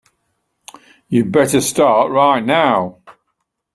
You'd better start right now.